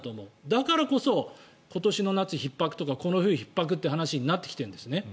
だからこそ今年の夏ひっ迫とかこの冬、ひっ迫という話になってきているんですね。